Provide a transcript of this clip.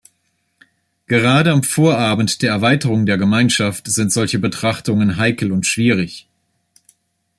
Gerade am Vorabend der Erweiterung der Gemeinschaft sind solche Betrachtungen heikel und schwierig.